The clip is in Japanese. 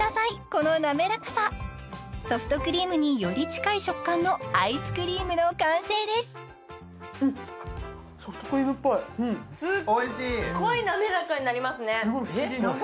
このなめらかさソフトクリームにより近い食感のアイスクリームの完成ですうんソフトクリームっぽいおいしいすごい不思議何で？